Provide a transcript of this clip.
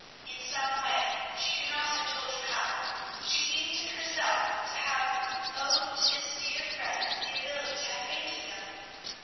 In some way, she could not have told you how, she seemed to herself to have owed to this dear friend the ability to have painted them.